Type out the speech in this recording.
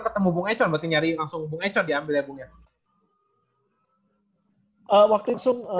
ketemu bung econ berarti nyari langsung bung econ diambil ya bung econ